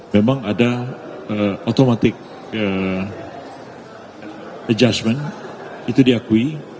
memang ada automatic adjustment itu diakui